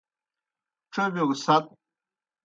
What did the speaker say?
ڇوبِیو گہ سَت۔